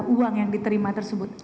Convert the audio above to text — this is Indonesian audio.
uang yang diterima tersebut